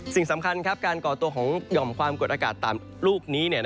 สิ่งสำคัญการก่อตัวของหย่อมความกดอากาศต่ำลูกนี้